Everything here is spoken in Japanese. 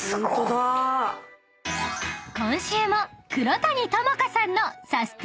［今週も黒谷友香さんの］